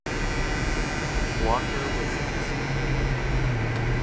Walker was Episcopalian.